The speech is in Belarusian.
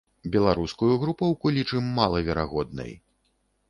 Беларускую групоўку лічым малаверагоднай.